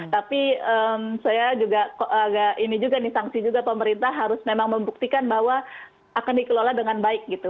tapi saya juga agak ini juga nih sanksi juga pemerintah harus memang membuktikan bahwa akan dikelola dengan baik gitu